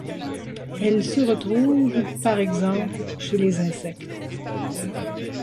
Elle se retrouve par exemple chez les insectes.